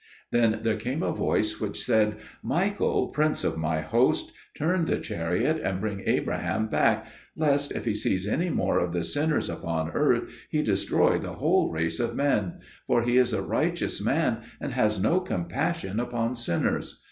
Then there came a voice which said, "Michael, prince of My host, turn the chariot and bring Abraham back, lest, if he sees any more of the sinners upon earth, he destroy the whole race of men. For he is a righteous man, and has no compassion upon sinners.